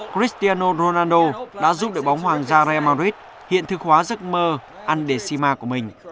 cristiano ronaldo đã giúp đội bóng hoàng gia real madrid hiện thức hóa giấc mơ andesima của mình